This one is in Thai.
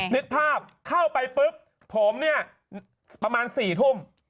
นึกภาพเข้าไปปุ๊บผมเนี่ยประมาณ๔ทุ่ม